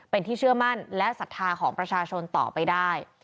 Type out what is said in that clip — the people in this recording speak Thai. เป็นที่เชื่อมั่นและศรัทธาของประชาชนต่อไปได้